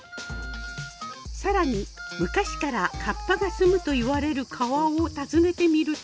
更に昔からカッパが住むといわれる川を訪ねてみると。